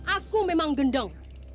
aku memang gendam